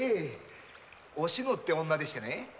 お篠って女でしてね。